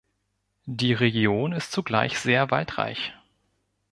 Die Region ist zugleich sehr waldreich.